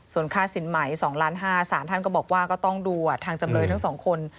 ส่วนค่าสินใหม่๒ล้าน๕สารท่านก็บอกว่าก็ต้องดูทางจำเลยทั้งสองคน